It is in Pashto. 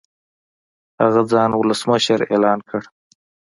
هغه ځان ولسمشر اعلان کړ.